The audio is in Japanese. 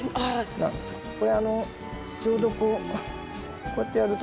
これあのちょうどこうこうやってやるとですね